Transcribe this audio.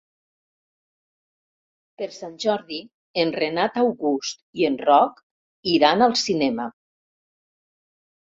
Per Sant Jordi en Renat August i en Roc iran al cinema.